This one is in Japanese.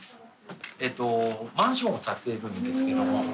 えっとマンションを建てるんですけども。